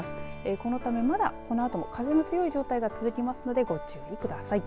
このため、このあと風が強い状態が続きますのでご注意ください。